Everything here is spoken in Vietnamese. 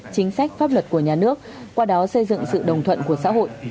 chính sách pháp luật của nhà nước qua đó xây dựng sự đồng thuận của xã hội